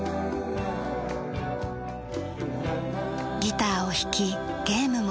ギターを弾きゲームも。